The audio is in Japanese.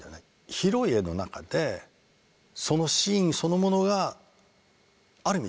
広い絵の中でそのシーンそのものがある意味